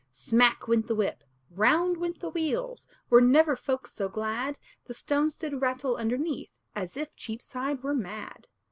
Smack went the whip, round went the wheels, Were never folks so glad, The stones did rattle underneath, As if Cheapside were mad.